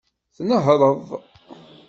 Tnehṛeḍ.